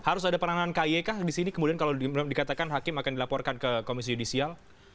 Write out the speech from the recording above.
harus ada peranan kyk di sini kemudian kalau dikatakan hakim akan dilaporkan ke komisi judisial